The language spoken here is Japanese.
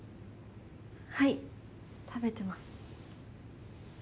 はい食べてます。